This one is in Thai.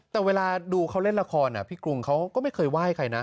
แต่เวลาดูเขาเล่นละครพี่กรุงเขาก็ไม่เคยไหว้ใครนะ